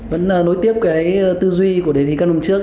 vẫn nối tiếp cái tư duy của đề thi các hôm trước